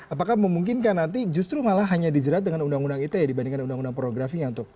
apakah memungkinkan nanti justru malah hanya dijerat dengan undang undang ite dibandingkan undang undang pornografinya